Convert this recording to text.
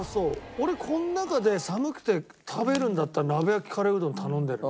俺この中で寒くて食べるんだったら鍋焼きカレーうどん頼んでるね。